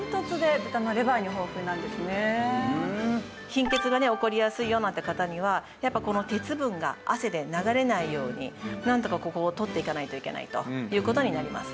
貧血が起こりやすいよなんていう方にはやっぱこの鉄分が汗で流れないようになんとかここをとっていかないといけないという事になります。